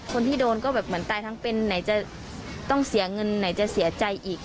คนที่โดนก็แบบเหมือนตายทั้งเป็นไหนจะต้องเสียเงินไหนจะเสียใจอีก